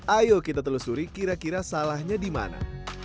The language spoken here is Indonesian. ayo kita telusuri kira kira salahnya di mana